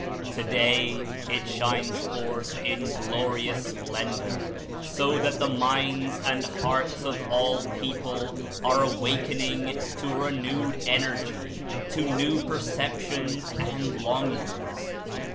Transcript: Today it shines forth in glorious splendor, so that the minds and hearts of all people are awak ening to a renewed energy, to new perceptions and longings.